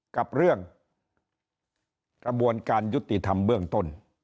กับเรื่องกระบวนการยุติธรรมเบื้องต้น